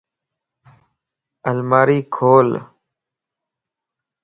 الماري کول